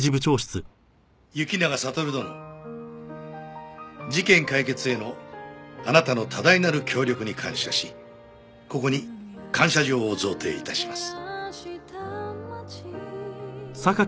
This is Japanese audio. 「行長悟殿」「事件解決へのあなたの多大なる協力に感謝しここに感謝状を贈呈いたします」